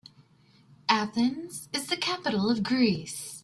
Athens is the capital of Greece.